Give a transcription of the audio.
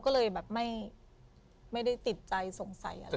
ก็เลยแบบไม่ได้ติดใจสงสัยอะไร